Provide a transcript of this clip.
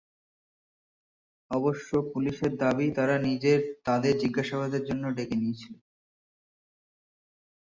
অবশ্য পুলিশের দাবি তারা তাদের জিজ্ঞাসাবাদের জন্য ডেকে নিয়েছিল।